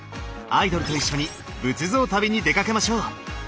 アイドルと一緒に仏像旅に出かけましょう。